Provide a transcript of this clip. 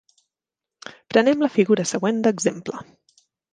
Prenem la figura següent d'exemple.